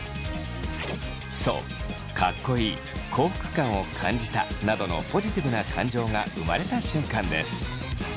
そう「かっこいい」「幸福感を感じた」などのポジティブな感情が生まれた瞬間です。